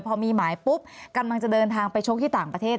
พอมีหมายปุ๊บกำลังจะเดินทางไปชกที่ต่างประเทศ